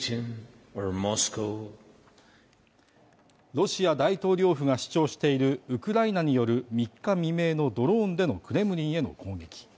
ロシア大統領府が主張しているウクライナによる３日未明のドローンでのクレムリンへの攻撃。